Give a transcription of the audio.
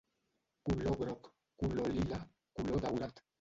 Color groc, color lila, color daurat.